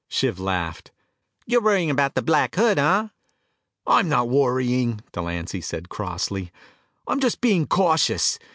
Shiv laughed. "You're worrying about the Black Hood, huh?" "I'm not worrying," Delancy said crossly. "I'm just being cautious.